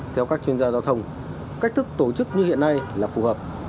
theo các chuyên gia giao thông cách thức tổ chức như hiện nay là phù hợp